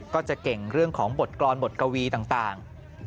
ก็จะเก่งเรื่องของบทกรรมบทกวีต่าง